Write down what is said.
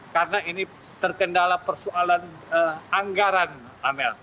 karena ini terkendala persoalan anggaran amel